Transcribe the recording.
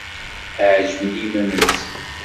Ɛeǧben i iman-nsen.